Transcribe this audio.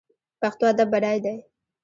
پښتو ادب بډای دی